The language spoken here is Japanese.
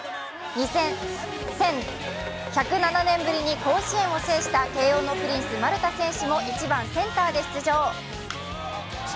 １０７年ぶりに甲子園を制した慶応のプリンス丸田選手も１番・センターで出場。